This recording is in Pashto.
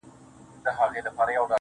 ړنده شې دا ښېرا ما وکړله پر ما دې سي نو.